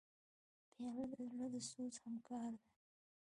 پیاله د زړه د سوز همکار ده.